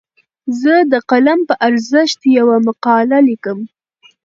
زه د قلم په ارزښت یوه مقاله لیکم.